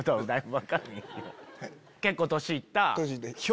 結構年行った。